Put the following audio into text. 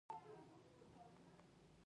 خو نېغه روانه وه.